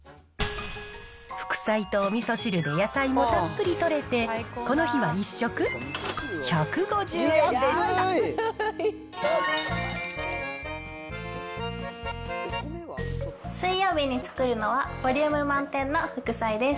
副菜とおみそ汁で野菜もたっぷりとれて、この日は１食１５０円で水曜日に作るのは、ボリューム満点の副菜です。